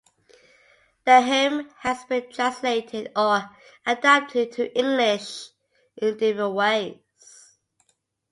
The hymn has been translated or adapted to English in different ways.